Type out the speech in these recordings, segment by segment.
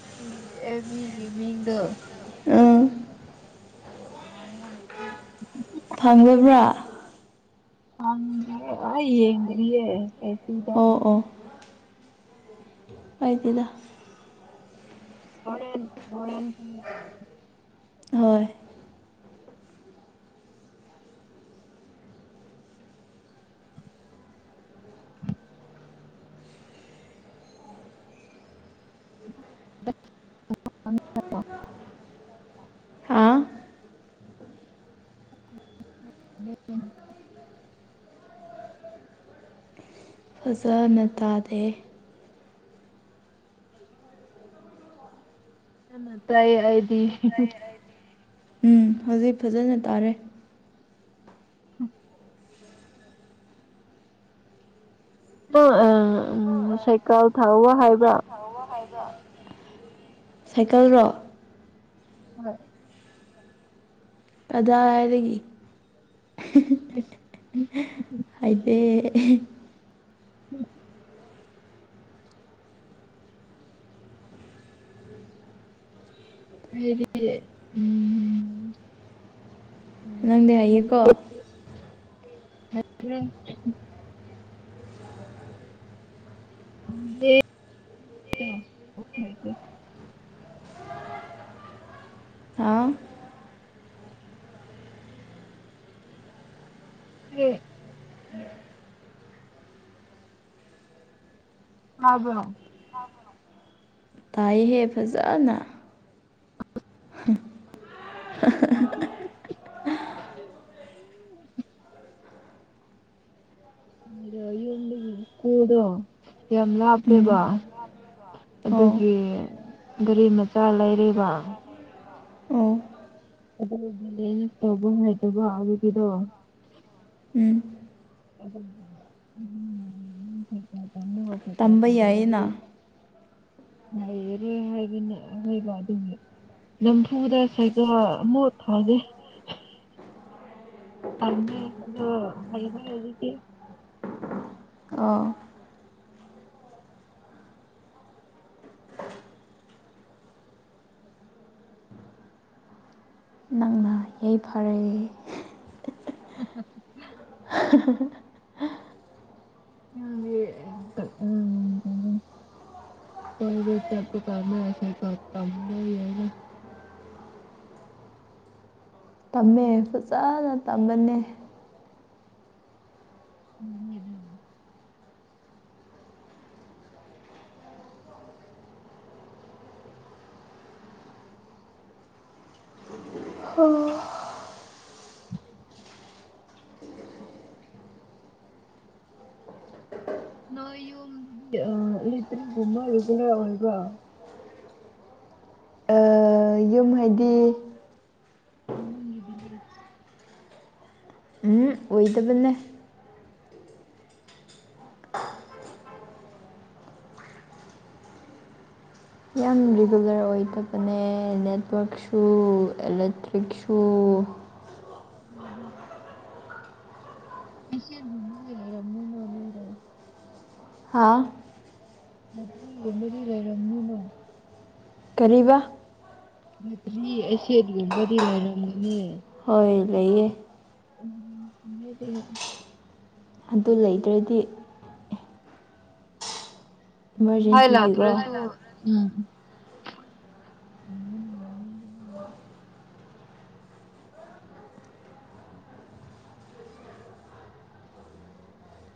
ꯅꯪꯒꯤ ꯑꯦ ꯃꯤꯒꯤ ꯃꯤꯡꯗ ꯑ ꯑ ꯍꯥꯏꯥꯏꯇ ꯐꯪꯒꯕ꯭ꯔꯥ ꯍꯪꯌꯦꯡꯔꯤꯌꯦ ꯑꯣ ꯑꯣ ꯑꯣꯏꯗꯨꯗ ꯍꯔꯦꯟ ꯍꯔꯦꯟ ꯀꯅꯔ ꯍꯣꯏ [unintelligible] ꯍꯥ [unintelligible] ꯐꯖꯅ ꯇꯥꯗꯦ ꯌꯥꯝ ꯅ ꯇꯥꯏ ꯑꯩꯗꯤ ꯎꯝ ꯍꯧꯖꯤꯛ ꯐꯖꯅ ꯇꯥꯔꯦ ꯎꯝ ꯎ ꯎꯝ ꯁꯥꯏꯀꯜ ꯊꯥꯎꯑꯣ ꯍꯥꯏꯕ꯭ꯔꯥ ꯁꯥꯏꯀꯜꯗꯣ [unintelligible] ꯀꯗꯥꯏꯗꯒꯤ [unintelligible] ꯑꯗꯤ ꯎꯝ ꯍꯥꯏꯗꯤ ꯎꯝ ꯅꯪꯗꯤ ꯍꯥꯏꯌꯦꯀꯣ ꯍꯦ [unintelligible] ꯍꯥ [unintelligible] ꯑꯕ ꯇꯥꯏꯍꯦ ꯐꯖꯅ [unintelligible] ꯎꯝ ꯗ ꯌ ꯀꯗꯣ ꯌꯥꯝ ꯎꯝ ꯂꯍꯥꯄꯦꯕ ꯑꯣ ꯑꯗꯨꯒꯤ ꯒꯥꯔꯤ ꯃꯆꯥ ꯂꯩꯔꯤꯕ ꯑꯣ ꯑꯗꯨꯅꯦ ꯇꯧꯕ ꯍꯥꯏꯗꯕ ꯑꯗꯨꯒꯤꯗꯣ ꯎꯝ [unintelligible] ꯀꯃ ꯍꯣ ꯑ ꯇꯝꯕ ꯇꯝꯕꯗꯤ ꯌꯥꯏꯌꯦꯅ ꯉꯩꯔ ꯍꯥꯏꯕꯟꯅ ꯍꯣꯏꯕ ꯑꯗꯨꯦ ꯅꯝꯐꯨꯗ ꯁꯥꯏꯒ ꯑꯃꯣꯠ ꯊꯥꯒꯦ ꯑꯃꯦ ꯑꯗꯣ ꯍꯗ ꯑꯦꯇ ꯑꯣ ꯌꯥꯏ ꯐꯔꯦ [unintelligible] [unintelligible] [unintelligible] ꯀꯗ ꯆꯄ ꯀ ꯑꯦꯁꯦ ꯀꯃꯅꯅ ꯇꯝꯃꯦ ꯐꯖꯅ ꯇꯝꯝꯕꯅꯦ ꯎꯝ ꯍ ꯃꯌꯨꯝ ꯑ ꯏꯇꯔꯤ ꯨꯝꯃ ꯔꯒꯂꯔ ꯑꯣꯏꯜꯕ ꯑꯗꯨ ꯍꯥꯏꯗꯤ ꯎꯃ ꯌꯦꯕ ꯂꯩ ꯎꯝ ꯑꯣꯏꯗꯕꯅꯦ ꯁ ꯔꯤꯒꯨꯂꯔ ꯑꯣꯏꯗꯕꯅꯦ ꯅꯦꯠꯋꯔꯛꯁꯨ ꯏꯂꯦꯛꯇ꯭ꯔꯤꯛꯁꯨ ꯎꯝ ꯁꯔꯒ ꯃꯤꯅꯔꯒ ꯍꯥꯥ ꯅ ꯎꯃꯔꯤ ꯂꯩꯔꯝꯅꯤꯅ ꯀꯔꯤꯕ ꯅꯠꯇ꯭ꯔꯤ ꯑꯦꯁꯦꯒꯨꯝꯕꯗꯤ ꯂꯩꯔꯝꯅꯤ ꯍꯣꯏ ꯂꯩꯌꯦ ꯎ ꯑ ꯑꯗꯨ ꯂꯩꯇꯔꯗꯤ ꯃꯩ ꯏꯃꯥꯔꯖꯦꯟꯁꯤꯒꯤꯀꯣ ꯂꯥꯛꯇ꯭ꯔꯁꯨ ꯎꯝ ꯎꯝ ꯎꯝ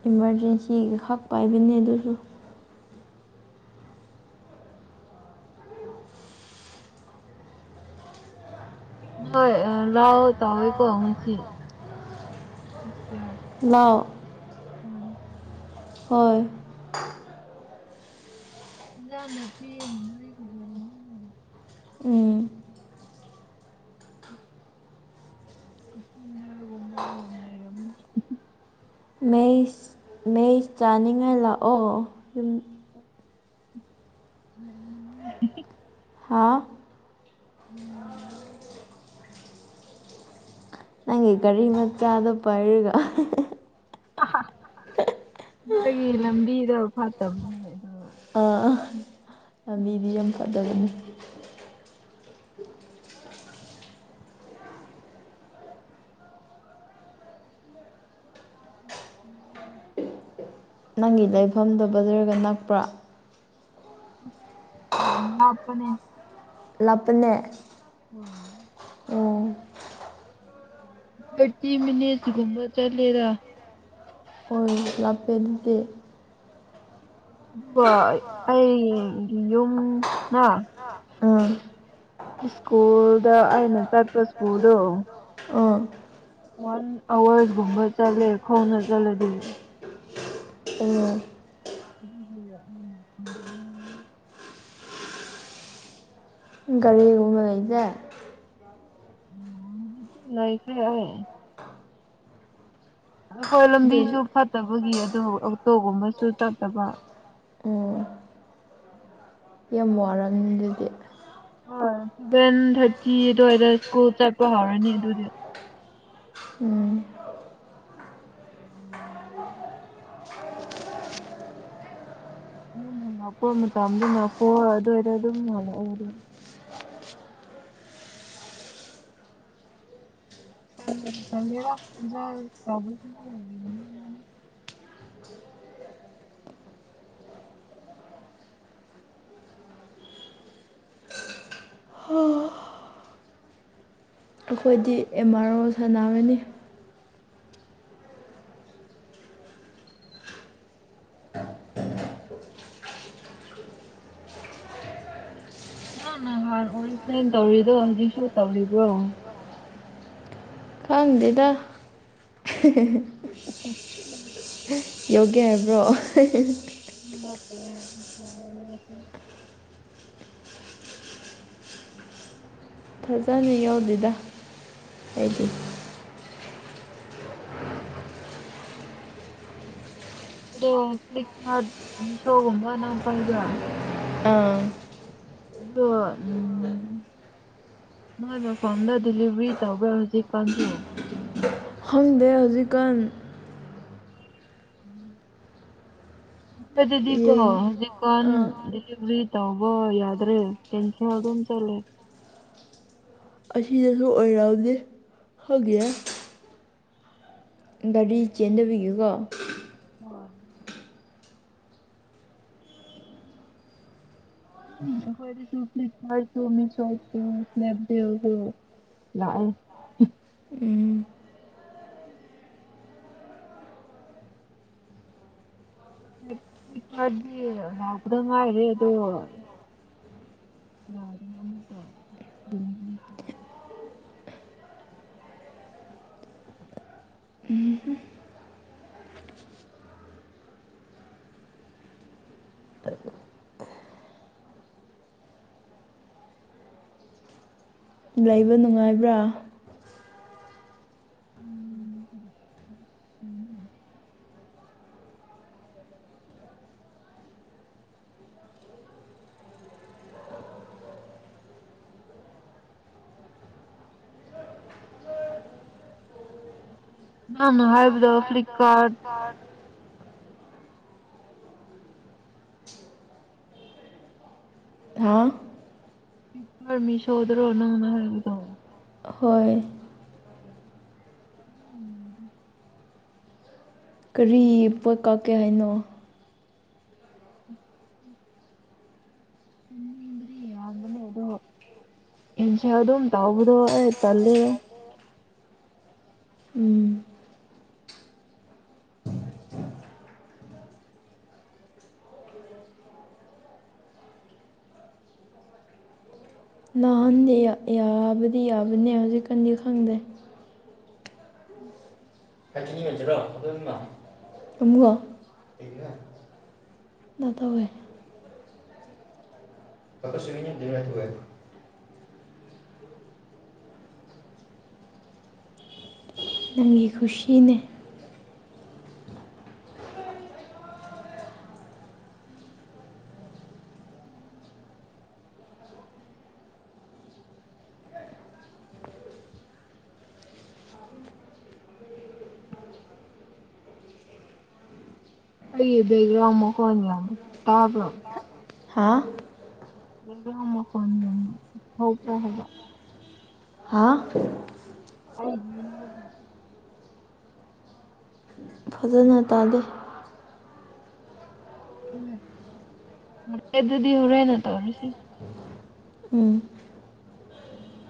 ꯏꯃꯥꯔꯖꯦꯟꯁꯤꯒ ꯈꯛ ꯄꯥꯏꯕꯅꯦ ꯑꯗꯨꯁꯨ ꯍꯣꯏ ꯂꯑꯣ ꯇꯑ ꯀꯣ ꯉꯁꯤ ꯂꯧ ꯎꯝ ꯍꯣꯏ ꯅꯪ ꯅꯨꯄꯤ [unintelligible] ꯎꯝ ꯎꯝ ꯀꯝꯕ ꯑꯔꯣꯟꯕ ꯌꯥꯝ ꯂꯩꯔꯝꯃꯦ ꯃꯩ ꯃꯩ ꯆꯥꯅꯤꯡꯉꯥꯏ ꯂꯥꯛꯑꯣ ꯌꯨꯝ ꯑꯣ ꯍꯥꯥ ꯎꯝ ꯅꯪꯒꯤ ꯒꯥꯔꯤ ꯃꯆꯥꯗꯣ ꯄꯥꯏꯔꯒ ꯃꯥꯒꯤ ꯂꯝꯕꯤꯗꯣ ꯐꯠꯇꯕꯅꯦ ꯑꯗꯣ ꯥ ꯂꯝꯕꯤꯗꯤ ꯌꯥꯝ ꯐꯖꯕꯅꯤ ꯎꯝ ꯅꯪꯒꯤ ꯂꯩꯐꯝꯗꯣ ꯕꯖꯥꯔꯒ ꯅꯛꯄ꯭ꯔꯥ ꯑꯁ ꯌꯥꯝ ꯂꯥꯞꯄꯅꯦ ꯂꯥꯞꯄꯅꯦ ꯍꯣꯏ ꯑꯣ ꯇꯣꯟꯏꯇꯤ ꯃꯤꯅꯤꯠꯁ ꯀꯨꯝꯕ ꯆꯠꯂꯦꯗ ꯑꯣꯏ ꯂꯥꯞꯄꯦ ꯑꯗꯨꯗꯤ ꯑꯗꯨꯒ ꯑꯩꯒꯤ ꯌꯨꯝꯅ ꯑꯥ ꯁ꯭ꯀꯨꯜꯗ ꯑꯩꯅ ꯆꯠꯄ ꯁ꯭ꯀꯨꯜꯗꯣ ꯑꯥ ꯋꯥꯟ ꯑꯋꯥꯔꯁ ꯀꯨꯝꯕ ꯆꯠꯂꯦ ꯈꯣꯡꯅ ꯆꯠꯂꯗꯤ ꯑꯣ ꯑꯗꯨ ꯂꯩ ꯒꯥꯔꯤꯒꯨꯝꯕ ꯂꯩꯇꯦ ꯒꯥꯔꯤꯗꯤ ꯂꯩꯇꯔꯦ ꯑꯩꯈꯣꯏ ꯂꯝꯕꯤꯁꯨ ꯑꯗꯨꯗꯤ ꯐꯠꯇꯕꯒꯤ ꯑꯣꯇꯣ ꯑꯣꯇꯣꯒꯨꯝꯕꯁꯨ ꯆꯠꯇꯕ ꯑꯣ ꯌꯥꯝ ꯋꯥꯔꯝꯅꯤ ꯑꯗꯨꯗꯤ ꯍꯣꯏ ꯁꯚꯦꯟ ꯊꯥꯔꯇꯤ ꯑꯗꯨꯋꯥꯏꯗ ꯁ꯭ꯀꯨꯜ ꯆꯠꯄ ꯍꯧꯔꯅꯤ ꯑꯗꯨꯗꯤ ꯎꯝ ꯎꯝ ꯌꯨꯝ ꯂꯥꯛꯄ ꯃꯇꯝꯗꯅ ꯀꯣ ꯑꯗꯨꯋꯥꯏꯗ ꯑꯗꯨꯝ ꯍꯜꯂꯛꯑꯦ ꯑꯗꯨ ꯖ [unintelligible] ꯑꯩꯈꯣꯏꯗꯤ ꯑꯦꯝ ꯑꯥꯔ ꯑꯣ ꯁꯥꯟꯅꯔꯅꯤ ꯅꯪ ꯍꯥꯟꯅ ꯑꯣꯔꯤꯐꯂꯦꯝ ꯇꯧꯔꯤꯗꯣ ꯍꯧꯖꯤꯛꯁꯨ ꯇꯧꯔꯤꯕꯣ ꯈꯪꯗꯦꯗ ꯌꯥꯎꯒꯦ ꯍꯥꯏꯕ꯭ꯔꯣ ꯎꯝ ꯍ ꯐꯖꯅ ꯌꯧꯗꯦꯗ ꯑꯩꯗꯤ ꯑꯗꯣ ꯐꯂꯤꯞꯀꯥꯔꯠ ꯃꯤꯁꯣꯒꯨꯝꯕ ꯅꯪ ꯄꯥꯏꯕ꯭ꯔ ꯑꯥ ꯑꯗꯨ ꯎꯝ ꯅꯣꯏ ꯃꯐꯝꯗ ꯗꯤꯂꯤꯚꯔꯤ ꯇꯧꯕ꯭ꯔꯥ ꯍꯧꯖꯤꯛ ꯀꯥꯟꯁꯨ ꯈꯪꯗꯦ ꯍꯧꯖꯤꯛꯀꯥꯟ ꯎꯝ ꯑꯗꯨꯗꯤ ꯀꯣ ꯌꯦꯡ ꯍꯧꯖꯤꯛꯀꯥꯟ ꯑꯥ ꯗꯤꯂꯤꯚꯔꯤ ꯇꯧꯕ ꯌꯥꯗ꯭ꯔꯦ ꯀꯦꯟꯁꯦꯜ ꯗꯣ ꯀꯝ ꯆꯂꯦ ꯑꯁꯤꯁꯤꯗꯁꯨ ꯑꯣꯏꯔꯝꯅꯤ ꯍꯥꯒꯤꯌ ꯒꯥꯔꯤ ꯆꯦꯟꯗꯕꯤꯒꯤꯀꯣ ꯍꯣꯏ ꯑꯈꯣꯏꯗꯁꯨ ꯐꯤꯂꯤꯞꯀꯥꯔꯗꯁꯨ ꯃꯤꯁꯣꯁꯨ ꯁ꯭ꯅꯦꯞꯗꯤꯜ ꯁꯨ ꯂꯥꯛꯑꯦ ꯎꯝ ꯐꯤꯂꯤꯞꯀꯥꯔꯗꯤ ꯂꯥꯎꯄꯗ ꯉꯥꯏꯔꯦ ꯑꯗꯣ ꯌꯥꯔ ꯇ [unintelligible] ꯂꯩꯕ ꯅꯨꯡꯉꯥꯏꯕ꯭ꯔꯥ ꯎꯝ ꯎ ꯎꯝ ꯃꯥꯅ ꯍꯥꯏꯕꯗꯣ ꯐ꯭ꯂꯤꯞꯀꯥꯔꯠ ꯀꯥꯔꯗ ꯍꯥꯥ ꯀꯥꯔꯗ ꯃꯤꯁꯣꯗꯔꯣꯅꯪꯅ ꯍꯥꯏꯕꯗꯣ ꯍꯣꯏ ꯀꯔꯤ ꯄꯣꯠ ꯀꯛꯀꯦ ꯍꯥꯏꯅꯣ ꯃꯃꯤꯡꯗꯣ ꯏꯟꯁꯜ ꯗꯨꯝ ꯇꯥꯎꯕꯗ ꯑꯩ ꯇꯜꯂꯦ ꯎꯝ ꯅꯍꯥꯟꯗꯤ ꯌꯥꯕꯨꯗꯤ ꯌꯥꯕꯅꯦ ꯍꯧꯖꯤꯛꯀꯥꯟꯗꯤ ꯈꯪꯗꯦ ꯑꯃꯨ ꯗ ꯇꯧꯋꯦ ꯀꯛꯆꯤꯡ ꯗꯤꯡꯔ ꯊꯣꯑꯦ ꯅꯪꯒꯤ ꯈꯨꯁꯤꯅꯦ ꯑꯩꯌꯦ ꯕꯦꯡꯒꯔ꯭ꯟ ꯃꯈꯣꯟ ꯌꯥꯝ ꯇꯥꯕꯔꯣ ꯍꯥꯥ ꯕꯦꯡꯒꯔ꯭ꯟ ꯃꯈꯣꯟ ꯌꯥꯝ ꯍꯧꯕꯔꯥ ꯍꯥꯏꯕ ꯍꯥ ꯑꯩꯅꯤ [unintelligible] ꯐꯖꯅ ꯇꯥꯗꯦ [unintelligible] ꯑꯗꯨꯗꯤ ꯍꯔꯦꯅ ꯇꯧꯔꯁꯦ ꯎꯝ ꯎꯝ